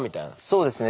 そうですね。